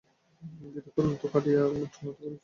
দিদিঠাকরুণ তো কাঁদিয়া কাটিয়া অনাত্ত করিতেছেন।